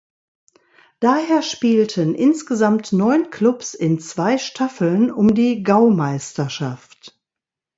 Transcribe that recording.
Daher spielten insgesamt neun Klubs in zwei Staffeln um die Gaumeisterschaft.